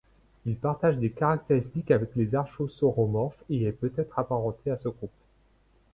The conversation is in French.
Il partage des caractéristiques avec les archosauromorphes et est peut-être apparenté à ce groupe.